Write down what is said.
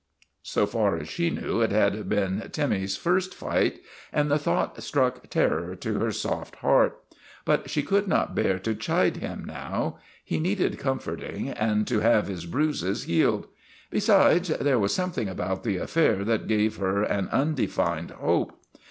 So far as she knew, ft had been Timmy's first fight, and the thought struck terror to her soft heart. But she could not bear to chide him now. He needed comforting, and to have his bruises healed. Besides, there was something about the affair that gave her an undefined hope.